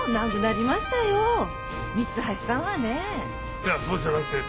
いやそうじゃなくて。